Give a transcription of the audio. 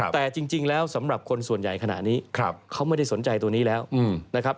แต่จริงแล้วสำหรับคนส่วนใหญ่ขณะนี้เขาไม่ได้สนใจตัวนี้แล้วนะครับ